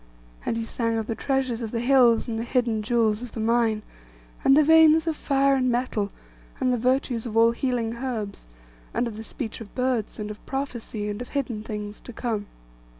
And he sang of the treasures of the hills, and the hidden jewels of the mine, and the veins of fire and metal, and the virtues of all healing herbs, and of the speech of birds, and of prophecy, and of hidden things to come.